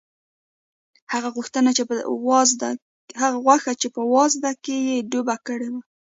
هغه غوښه چې په وازده کې یې ډوبه کړې وه.